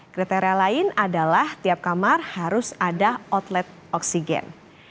kriteria lain adalah tiap kamar harus ada outlet oksigen